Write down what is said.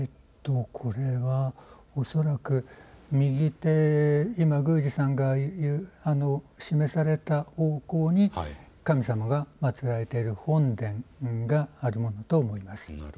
これは恐らく、右手、今、宮司さんが示された方向に神様が祭られている本殿があるものと思います。